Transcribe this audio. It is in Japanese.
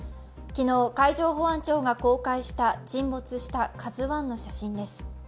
昨日、海上保安庁が公開した沈没した「ＫＡＺＵⅠ」の写真です。